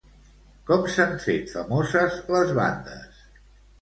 Com s'han fet famoses les bandes?